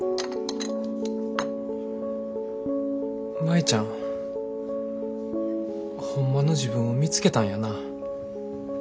舞ちゃんホンマの自分を見つけたんやな。